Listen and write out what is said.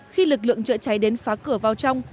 khi lực lượng chữa cháy đến phá cửa vào trong